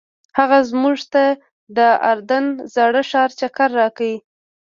هغه موږ ته د اردن زاړه ښار چکر راکړ.